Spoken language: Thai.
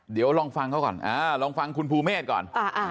เดี๋ยวลองฟังเขาก่อนลองฟังคุณภูเมฆก่อน